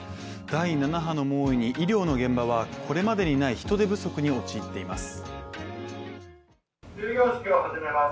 第７波の猛威に医療の現場はこれまでにない人手不足に陥っています。